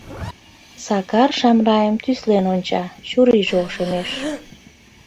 Сакар Шамрайым тӱслен онча, чурийже ошемеш.